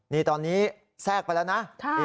นี่ตอนนี้แทรกไปแล้วนะ